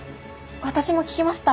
私も聞きました。